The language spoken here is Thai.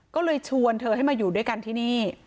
ก็เลยชวนเธอให้มาอยู่ด้วยกันที่นี่